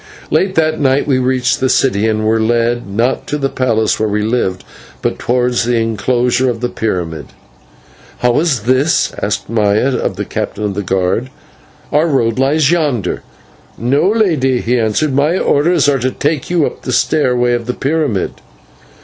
Late that night we reached the city and were led, not to the palace where we lived, but towards the enclosure of the pyramid. "How is this?" asked Maya of the captain of the guard. "Our road lies yonder." "No, lady," he answered, "my orders are to take you up the stairway of the pyramid."